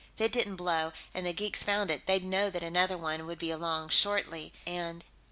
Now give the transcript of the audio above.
If it didn't blow, and the geeks found it, they'd know that another one would be along shortly, and....